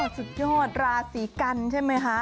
สุดยอดราศีกันใช่ไหมคะ